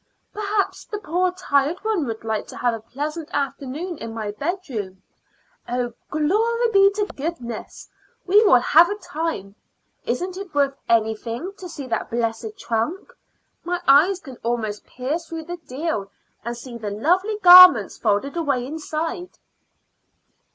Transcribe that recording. Perhaps the poor tired one would like to have a pleasant afternoon in my bedroom. Oh, glory be to goodness! we will have a time. Isn't it worth anything to see that blessed trunk? My eyes can almost pierce through the deal and see the lovely garments folded away inside."